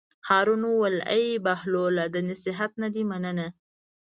هارون وویل: ای بهلوله د نصیحت نه دې مننه.